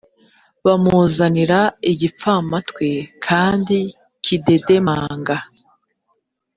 bamuzanira igipfamatwi kandi kidedemanga